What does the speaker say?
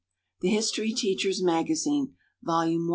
The History Teacher's Magazine Volume I.